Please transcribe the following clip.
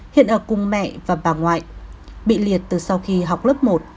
hiện ở cùng mẹ và bà ngoại bị liệt từ sau khi học lớp một